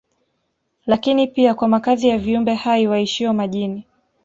Lakini pia kwa makazi ya viumbe hai waishio majini